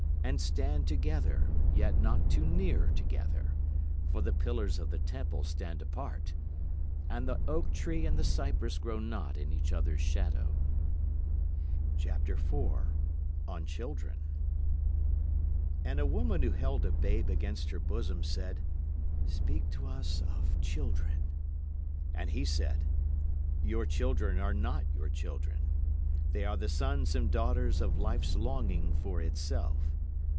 And stand together yet not too near together: For the pillars of the temple stand apart, And the oak tree and the cypress grow not in each other's shadow. [Illustration: 0032] And a woman who held a babe against her bosom said, Speak to us of Children. And he said: Your children are not your children. They are the sons and daughters of Life's longing for itself.